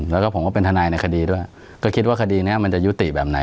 แล้วก็ผมก็เป็นทนายในคดีด้วยก็คิดว่าคดีนี้มันจะยุติแบบไหน